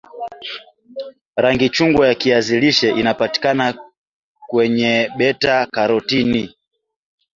rangi chungwa ya kiazi lishe inapatikana kweneye beta karotini